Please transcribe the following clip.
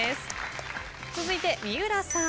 続いて三浦さん。